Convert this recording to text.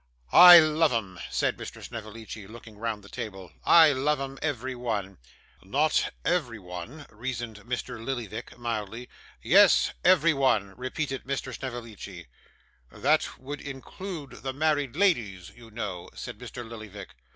'I love 'em,' said Mr. Snevellicci, looking round the table, 'I love 'em, every one.' 'Not every one,' reasoned Mr. Lillyvick, mildly. 'Yes, every one,' repeated Mr. Snevellicci. 'That would include the married ladies, you know,' said Mr. Lillyvick.